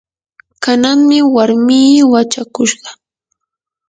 kananmi warmii wachakushqa.